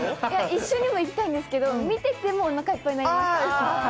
一緒にも行きたいけど見てておなかいっぱいになりました。